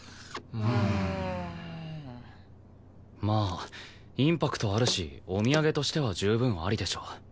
まあインパクトあるしお土産としては十分ありでしょ。